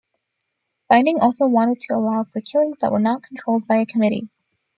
Binding also wanted to allow for killings that were not controlled by a committee.